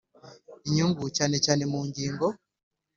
inyungu cyane cyane mu ngi ngo